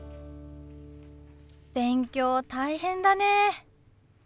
勉強大変だね。